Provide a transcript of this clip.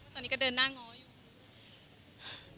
ตอนนี้ก็เดินหน้าง้ออยู่